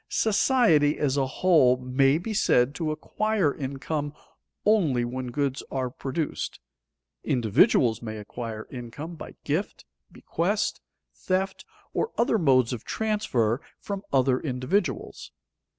Society, as a whole, may be said to acquire income only when goods are produced; individuals may acquire income by gift, bequest, theft, or other modes of transfer from other individuals.